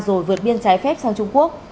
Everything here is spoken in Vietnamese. rồi vượt biên trái phép sang trung quốc